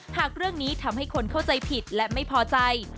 หากเรื่องนี้ทำให้คนเข้าใจผิดและไม่พอใจ